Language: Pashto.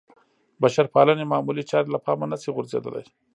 بشرپالنې معمولې چارې له پامه نه شي غورځېدلی.